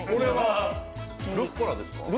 ルッコラですか？